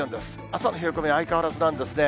朝の冷え込みは相変わらずなんですね。